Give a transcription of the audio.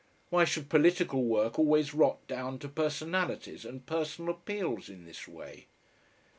Why should political work always rot down to personalities and personal appeals in this way?